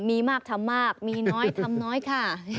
มีมากทำมากมีน้อยทำน้อยค่ะ